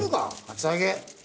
厚揚げ。